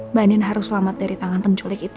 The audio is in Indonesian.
mbak nin harus selamat dari tangan penculik itu